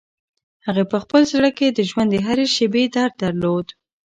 هغې په خپل زړه کې د ژوند د هرې شېبې درد درلود.